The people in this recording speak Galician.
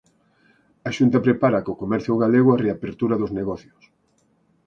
A Xunta prepara co comercio galego a reapertura dos negocios.